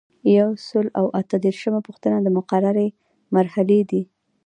یو سل او اته دیرشمه پوښتنه د مقررې مرحلې دي.